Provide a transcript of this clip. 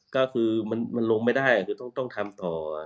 ก็คือมันลงไม่ได้คือต้องทำต่อ